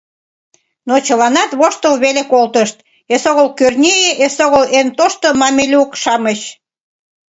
Но чыланат воштыл веле колтышт - эсогыл Кӧрнеи, эсогыл эн тошто мамелюк-шамыч.